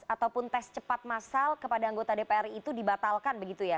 ataupun tes cepat masal kepada anggota dpr itu dibatalkan begitu ya